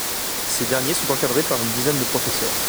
Ces derniers sont encadrés par une dizaine de professeurs.